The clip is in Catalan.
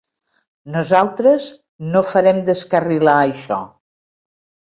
Nosaltres no farem descarrilar això.